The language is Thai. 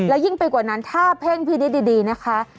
และยิ่งไปกว่านั้นถ้าเพ่งพี่นี้ดีนะคะ